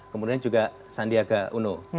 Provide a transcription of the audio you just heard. kemudian juga sandiaga uno